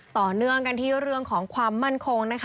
ต่อเนื่องกันที่เรื่องของความมั่นคงนะคะ